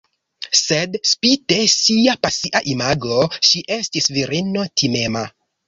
Sed spite sia pasia imago, ŝi estis virino timema.